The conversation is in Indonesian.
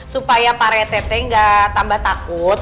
supaya pak rt nggak tambah takut